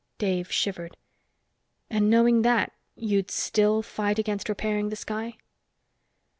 Dave shivered. "And knowing that, you'd still fight against repairing the sky?"